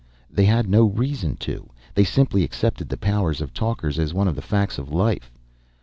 They had no reason to. They simply accepted the powers of talkers as one of the facts of life.